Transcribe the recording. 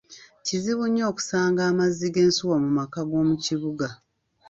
Kizibu nnyo okusanga amazzi g’ensuwa mu maka g’omu kibuga.